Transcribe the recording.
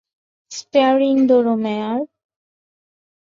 Staring ধরো, মেয়ার!